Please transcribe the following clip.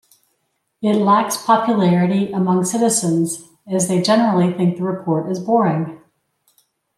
It lacks popularity among citizens, as they generally think the report is boring.